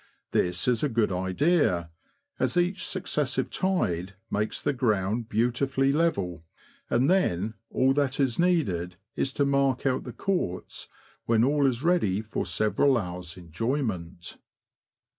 This is a good idea, as each successive tide makes the ground beautifully level, and then all that is needed is to mark out the courts, when all is ready for several hours' enjoyment.